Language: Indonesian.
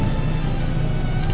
kita ketemu sama anak kita